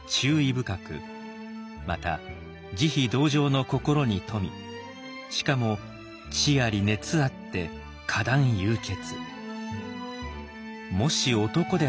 深くまた慈悲同情の心に富みしかも智あり熱あって果断勇決」。